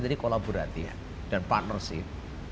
jadi kolaborasi dan partnership